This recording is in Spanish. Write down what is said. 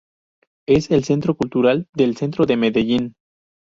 Es el centro cultural del centro de Medellín.